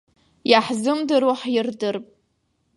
Иаҳзымдыруа ҳирдырп.